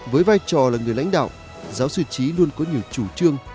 với vai trò là người lãnh đạo giáo sư trí luôn có nhiều chủ trương